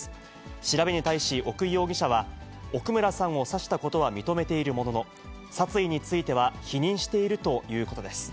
調べに対し、奥井容疑者は、奥村さんを刺したことは認めているものの、殺意については否認しているということです。